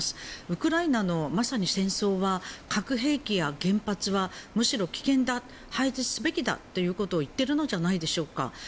ウクライナのまさに戦争は核兵器や原発はむしろ危険だ、廃止すべきだということを言っているのじゃないでしょうか。